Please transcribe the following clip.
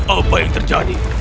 apa yang terjadi